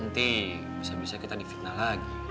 nanti bisa bisa kita di fitnah lagi